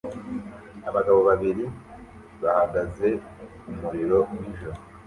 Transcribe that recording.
Abagabo babiri bahagaze ku muriro nijoro